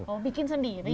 oh bikin sendiri